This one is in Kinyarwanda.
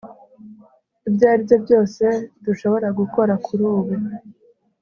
ibyo aribyo byose dushobora gukora kurubu